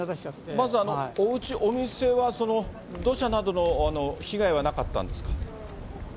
まず、おうち、お店は、その、土砂などの被害はなかったんです